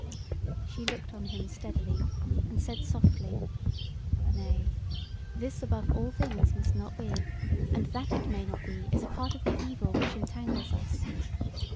She looked on him steadily, and said softly: "Nay, this above all things must not be; and that it may not be is a part of the evil which entangles us.